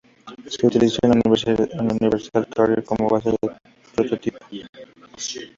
Se utilizó un Universal Carrier como base de un prototipo.